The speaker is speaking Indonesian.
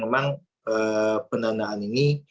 memang pendanaan ini